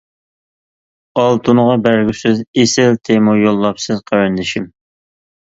ئالتۇنغا بەرگۈسىز ئېسىل تېما يوللاپسىز قېرىندىشىم.